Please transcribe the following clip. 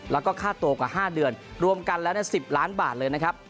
แล้วก็ค่าตัวกว่า๕เดือนรวมกันแล้ว๑๐ล้านบาทเลยนะครับ